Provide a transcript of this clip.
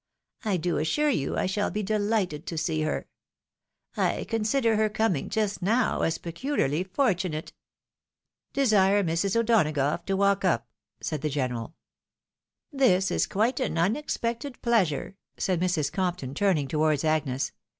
I do assure you I shall be dehghted to see her. I consider her coming just now as peculi arly fortunate." " Desire Mrs. O'Donagough to walk up," said the general. " This is quite an unexpected pleasure," said Mrs. Compton, turning towards Agnes.